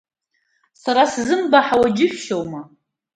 Сара сзымбаҳауа џьышәшьома?